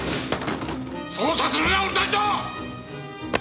捜査するのは俺たちだ！！